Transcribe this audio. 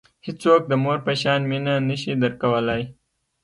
هیڅوک د مور په شان مینه نه شي درکولای.